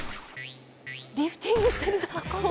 リフティングしてる？